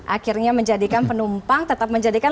akhirnya menjadikan penumpang tetap menjadikan